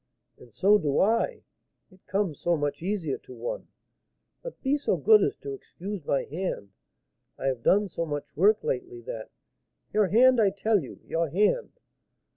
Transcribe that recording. "And so do I, it comes so much easier to one. But be so good as to excuse my hand; I have done so much work lately, that " "Your hand, I tell you, your hand!"